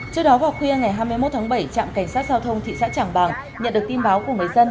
trước đó vào khuya ngày hai mươi một tháng bảy trạm cảnh sát giao thông thị xã trảng bàng nhận được tin báo của người dân